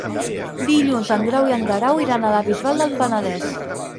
Dilluns en Grau i en Guerau iran a la Bisbal del Penedès.